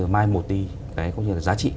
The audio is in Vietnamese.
mai một đi cái giá trị